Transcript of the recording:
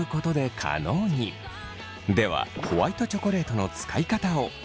ではホワイトチョコレートの使い方を。